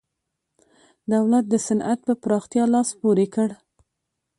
دولت د صنعت پر پراختیا لاس پورې کړ.